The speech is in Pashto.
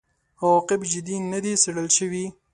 عواقب جدي نه دي څېړل شوي.